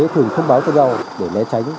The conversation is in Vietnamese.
thường thông báo cho giao để lé tránh